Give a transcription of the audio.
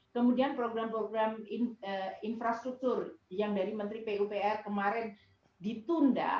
kemudian program program infrastruktur yang dari menteri pupr kemarin ditunda